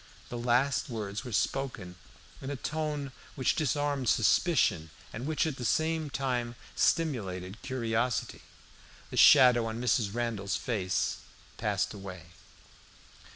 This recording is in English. The last words were spoken in a tone which disarmed suspicion, and which at the same time stimulated curiosity. The shadow on Mrs. Randall's face passed away.